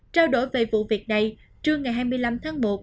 trao đổi về vụ việc này trưa ngày hai mươi năm tháng một